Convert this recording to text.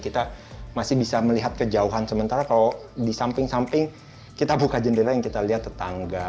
kita masih bisa melihat kejauhan sementara kalau di samping samping kita buka jendela yang kita lihat tetangga